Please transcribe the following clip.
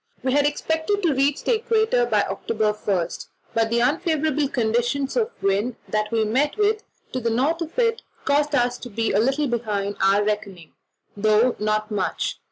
We had expected to reach the Equator by October 1, but the unfavourable conditions of wind that we met with to the north of it caused us to be a little behind our reckoning, though not much.